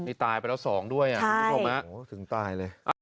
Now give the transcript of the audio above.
นี่ตายไปแล้ว๒ด้วยอ่ะไม่เข้ามาโอ้โหถึงตายเลย